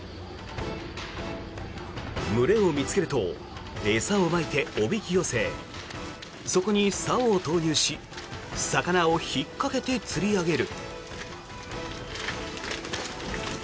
群れを見つけると餌をまいておびき寄せそこにさおを投入し魚を引っかけて釣り上げる。